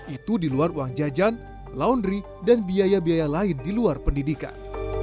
itu di luar uang jajan laundry dan biaya biaya lain di luar pendidikan